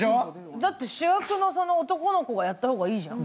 だって主役の男の子がやった方がいいじゃん。